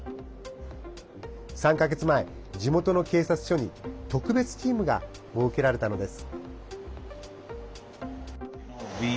３か月前、地元の警察署に特別チームが設けられたのです。